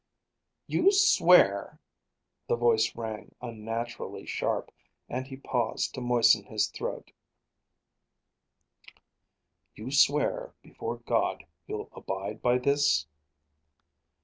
"You swear " his voice rang unnaturally sharp, and he paused to moisten his throat, "you swear before God you'll abide by this?"